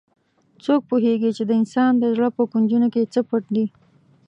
څوک پوهیږي چې د انسان د زړه په کونجونو کې څه پټ دي